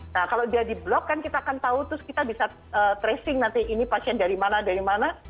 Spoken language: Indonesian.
nah kalau dia di blok kan kita akan tahu terus kita bisa tracing nanti ini pasien dari mana dari mana